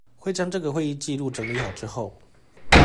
會將這個會議紀錄整理好之後